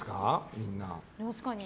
みんな。